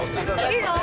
いいの？